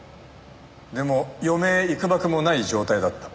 でも余命いくばくもない状態だった。